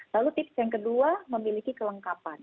lalu tips yang kedua memiliki kelengkapan